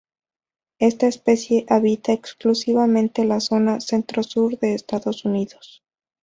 Esta especie habita exclusivamente la zona centro-sur de Estados Unidos.